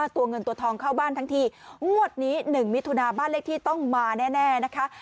ตัวเงินตัวทองเข้าบ้านทั้งทีงวดนี้๑มิถุนาบ้านเลขที่ต้องมาแน่นะคะ